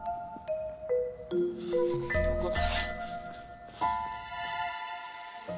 どこだ？